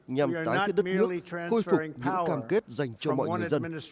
nhằm tái thiết đất nước khôi phục những cam kết dành cho mọi người dân